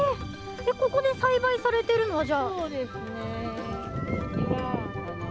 ここで栽培されてるのは。